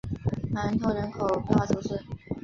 芒通人口变化图示